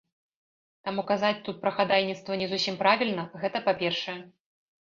Таму казаць тут пра хадайніцтва не зусім правільна, гэта па-першае.